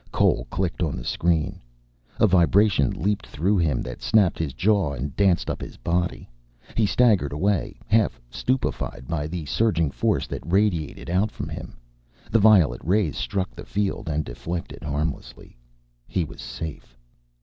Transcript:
Cole clicked on the screen. A vibration leaped through him that snapped his jaw and danced up his body. He staggered away, half stupefied by the surging force that radiated out from him. The violet rays struck the field and deflected harmlessly. He was safe.